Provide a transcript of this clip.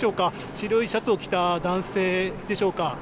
白いシャツを着た男性でしょうか。